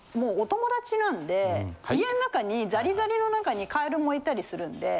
家の中にザリザリの中にカエルもいたりするんで。